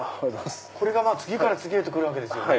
これが次から次へと来るわけですよね。